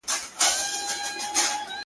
او رنګین بیرغ رپیږي په کتار کي د سیالانو!